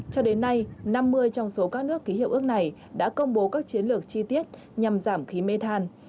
cho đến nay năm mươi trong số các nước ký hiệu ước này đã công bố các chiến lược chi tiết nhằm giảm khí mê than